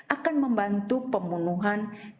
akan membantu pembunuhan virus